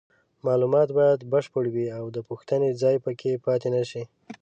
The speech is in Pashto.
معلومات باید بشپړ وي او د پوښتنې ځای پکې پاتې نشي.